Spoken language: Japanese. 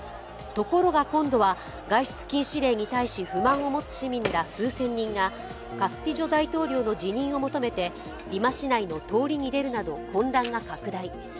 ところが、今度は外出禁止令に対し不満を持つ市民ら数千人がカスティジョ大統領の辞任を求めてリマ市内の通りに出るなど混乱が拡大。